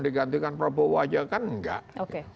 digantikan prabowo aja kan gak oke